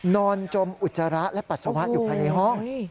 จมอุจจาระและปัสสาวะอยู่ภายในห้อง